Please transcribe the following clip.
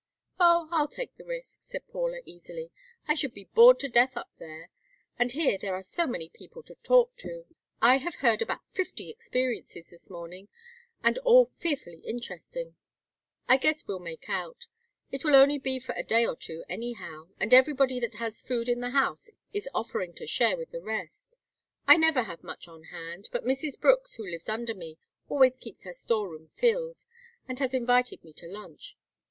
"Oh, I'll take the risk," said Paula, easily. "I should be bored to death up there, and here there are so many people to talk to. I have heard about fifty experiences this morning, and all fearfully interesting. I guess we'll make out. It will only be for a day or two anyhow, and everybody that has food in the house is offering to share with the rest. I never have much on hand, but Mrs. Brooks, who lives under me, always keeps her store room filled, and has invited me to lunch.